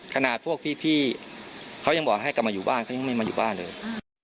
ขนาดพวกพี่เขายังบอกให้กลับมาอยู่บ้านเขายังไม่มาอยู่บ้านเลย